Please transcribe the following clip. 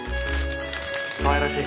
かわいらしい！